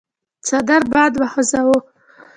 څادر باد وخوځاوه.